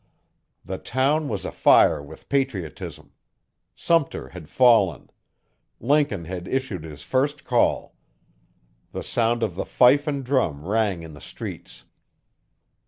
The town was afire with patriotism. Sumter had fallen; Lincoln had issued his first call. The sound of the fife and drum rang in the streets.